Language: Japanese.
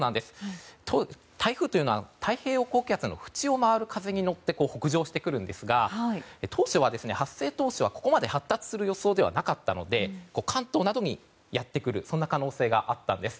台風というのは太平洋高気圧の縁を回る風に乗って北上してくるんですが発生当初はここまで発達する予想ではなかったので関東などにやってくるそんな可能性があったんです。